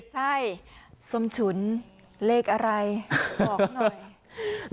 ใช่ส้มฉุนเลขอะไรบอกหน่อย